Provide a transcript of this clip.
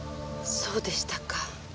そうでしたか。